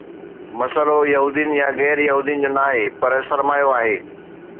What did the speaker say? مسئلو يهودين يا غير يهودين جو ناهي، پر سرمايو آهي.